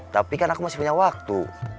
tapi kan aku masih punya waktu